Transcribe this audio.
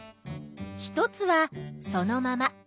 一つはそのまま。